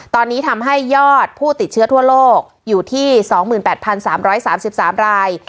ตอนนี้ทำให้ยอดผู้ติดเชื้อทั่วโลกอยู่ที่๒๘๓๓ราย